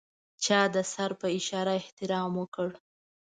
چا د سر په اشاره احترام وکړ.